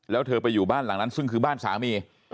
แล้วเธอไปอยู่บ้านหลังนั้นซึ่งคือบ้านสามี